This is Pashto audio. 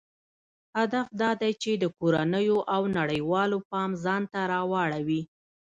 هدف دا دی چې د کورنیو او نړیوالو پام ځانته راواړوي.